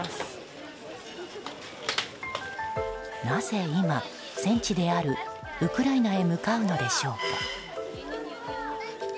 なぜ今、戦地であるウクライナへ向かうのでしょうか。